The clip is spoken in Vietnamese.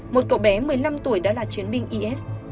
một cậu bé một mươi năm tuổi đã là chuyến binh is